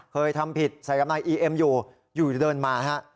เคยทำผิดใส่กำไรอีเอ็มอยู่อยู่เดินมาฮะ